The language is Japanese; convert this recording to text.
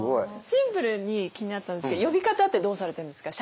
シンプルに気になったんですけど呼び方ってどうされてるんですか？